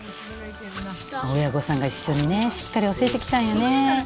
親御さんが一緒にねしっかり教えてきたんやね。